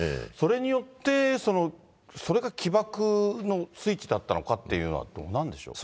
それによって、それが起爆のスイッチだったのかというのは、どうなんでしょうか。